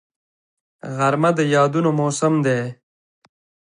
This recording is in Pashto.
غرمه د یادونو موسم دی